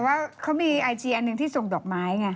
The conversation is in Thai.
ว่าเขามีไอจีอันหนึ่งที่ส่งดอกไม้ไง